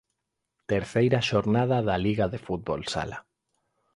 Terceira xornada da Liga de fútbol sala.